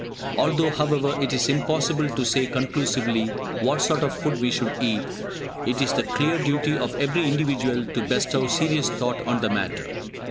Although, however, it is impossible to say conclusively what sort of food we should eat, it is the clear duty of every individual to bestow serious thought on the matter.